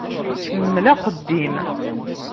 Kemmel axeddim.